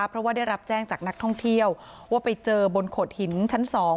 เพราะว่าได้รับแจ้งจากนักท่องเที่ยวว่าไปเจอบนโขดหินชั้น๒